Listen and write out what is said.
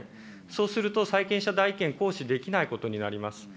そうすると債権者代位権行使できないことになります。